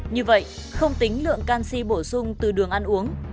như vậy không tính lượng canxi bổ sung từ đường ăn uống